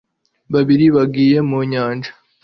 babiri bagiye mu nyanja